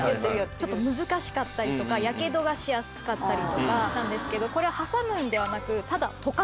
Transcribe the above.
ちょっと難しかったりとかヤケドがしやすかったりとかなんですけどこれは挟むのではなくただとかすだけ。